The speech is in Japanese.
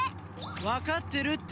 わかってるって。